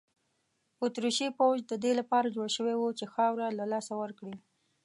اتریشي پوځ د دې لپاره جوړ شوی وو چې خاوره له لاسه ورکړي.